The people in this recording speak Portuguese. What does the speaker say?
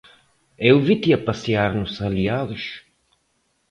Eu vi-te a passear nos Aliados